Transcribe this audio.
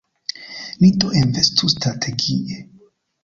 Ni do investu strategie.